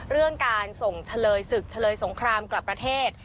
เรื่องการส่งเฉลยศึกเฉลยสงครามกลับประเทศ